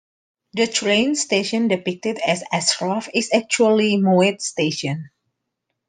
The train station depicted as "Ashford" is actually Moate Station.